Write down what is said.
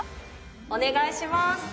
お願いします。